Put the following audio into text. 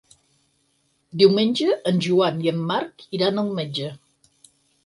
Diumenge en Joan i en Marc iran al metge.